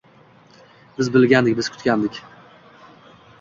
Biz bilgandik, biz kutgandik.